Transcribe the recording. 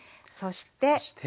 そして。